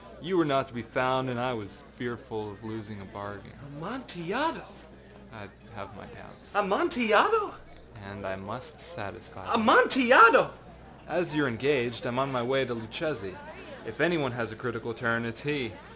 You were not to be found, and I was fearful of losing a bargain.â âAmontillado!â âI have my doubts.â âAmontillado!â âAnd I must satisfy them.â âAmontillado!â âAs you are engaged, I am on my way to Luchesi. If any one has a critical turn, it is he.